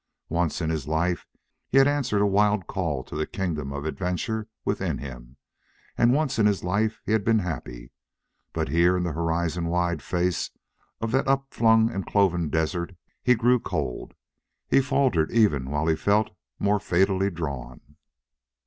Once in his life he had answered a wild call to the kingdom of adventure within him, and once in his life he had been happy. But here in the horizon wide face of that up flung and cloven desert he grew cold; he faltered even while he felt more fatally drawn.